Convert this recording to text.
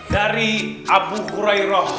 dari abu khurairah